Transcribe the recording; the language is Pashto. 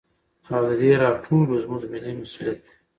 او د دې راټولو زموږ ملي مسوليت دى.